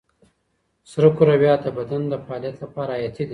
سرو کرویات د بدن د فعالیت لپاره حیاتي دي.